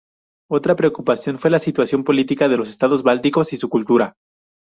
Otra preocupación fue la situación política de los estados bálticos y su cultura.